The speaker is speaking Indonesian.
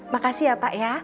makasih ya pak ya